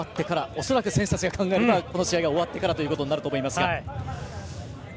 恐らく選手たちが考えるのはこの試合が終わってからになると思います。